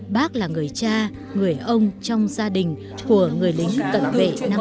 bác là người cha người ông trong gia đình của người lính cận vệ năm xưa